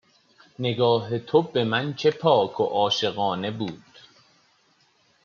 نگاه تو به من چه پاک و عاشقانه بود